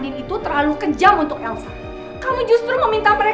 di video selanjutnya